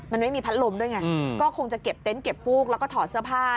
มันไม่มีพัดลมด้วยไงก็คงจะเก็บเต็นต์เก็บฟูกแล้วก็ถอดเสื้อผ้า